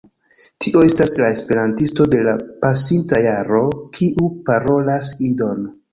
Tio estas la Esperantisto de la pasinta jaro, kiu parolas Idon